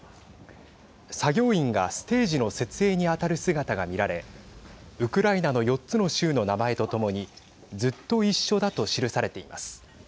作業員がステージの設営に当たる姿が見られウクライナの４つの州の名前と共にずっと一緒だと記されています。